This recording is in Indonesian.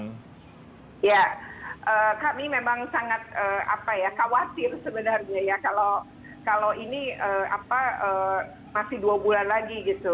ya kami memang sangat khawatir sebenarnya ya kalau ini masih dua bulan lagi gitu